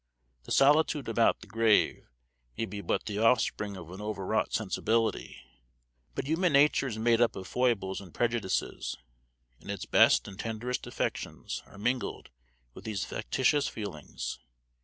The solitude about the grave may be but the offspring of an overwrought sensibility; but human nature is made up of foibles and prejudices, and its best and tenderest affections are mingled with these factitious feelings.